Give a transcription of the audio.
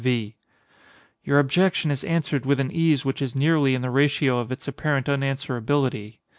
V. Your objection is answered with an ease which is nearly in the ratio of its apparent unanswerability.